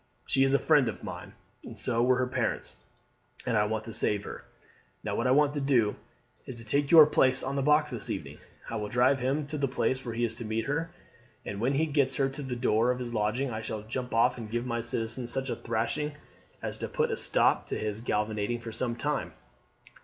She is a friend of mine, and so were her parents, and I want to save her. Now what I want to do is to take your place on the box this evening. I will drive him to the place where he is to meet her, and when he gets her to the door of his lodging I shall jump off and give my citizen such a thrashing as will put a stop to his gallivanting for some time.